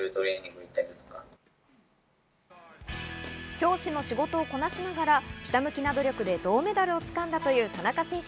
教師の仕事をこなしながら、ひたむきな努力で銅メダルをつかんだという田中選手。